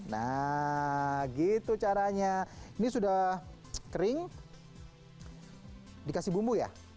nah gitu caranya ini sudah kering dikasih bumbu ya